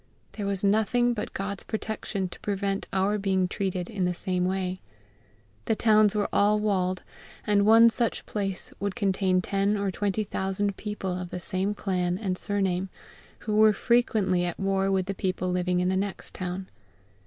There was nothing but GOD'S protection to prevent our being treated in the same way. The towns were all walled, and one such place would contain ten or twenty thousand people of the same clan and surname, who were frequently at war with the people living in the next town.